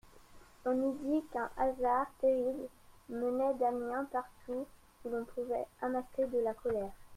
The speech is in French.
On eût dit qu'un hasard terrible menait Damiens partout où l'on pouvait amasser la colère.